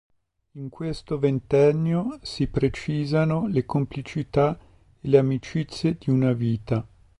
In questo ventennio si precisano le complicità e le amicizie di una vita.